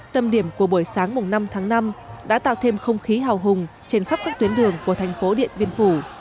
tâm điểm của buổi sáng năm tháng năm đã tạo thêm không khí hào hùng trên khắp các tuyến đường của thành phố điện biên phủ